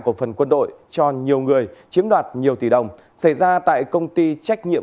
của phần quân đội cho nhiều người chiếm đoạt nhiều tỷ đồng xảy ra tại công ty trách nhiệm